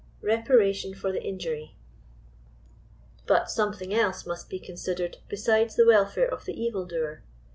REPARATION FOR THE INJURY. But something else must be considered, besides the welfare of the evil doer.